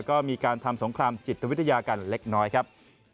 ก็มีการทำสงครามจิตวิทยากันเล็กน้อยครับ